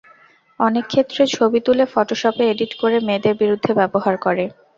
অনেক ক্ষেত্রে ছবি তুলে ফটোশপে এডিট করে মেয়েদের বিরুদ্ধে ব্যবহার করে।